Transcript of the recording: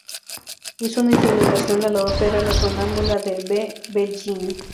Hizo una instrumentación a la ópera La sonnambula, de V. Bellini.